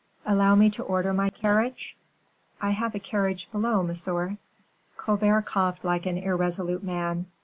"Allow me to order my carriage?" "I have a carriage below, monsieur." Colbert coughed like an irresolute man.